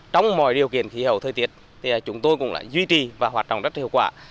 trong mọi điều kiện khí hậu thời tiết chúng tôi cũng đã duy trì và hoạt động rất hiệu quả